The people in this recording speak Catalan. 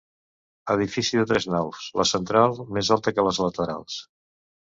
Edifici de tres naus, la central més alta que les laterals.